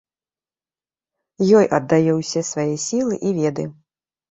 Ёй аддаю ўсе свае сілы і веды.